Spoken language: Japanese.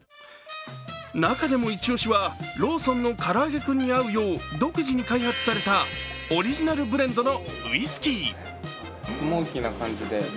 中でもイチ押しはローソンのからあげクンに合うよう独自に開発されたオリジナルブレンドのウイスキー。